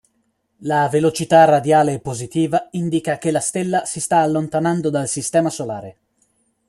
La velocità radiale positiva indica che la stella si sta allontanando dal sistema solare.